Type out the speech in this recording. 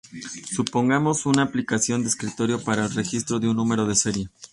Supongamos una aplicación de escritorio para el registro de un número de serie.